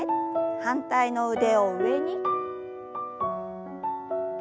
反対の腕を上に。